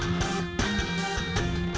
aku udah capek